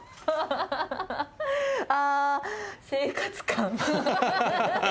あ生活感。